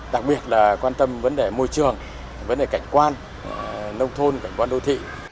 đặc biệt là quan tâm vấn đề môi trường vấn đề cảnh quan nông thôn cảnh quan đô thị